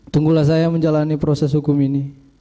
tunggulah saya menjalani proses hukum ini